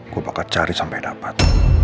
gue bakal cari sampai dapat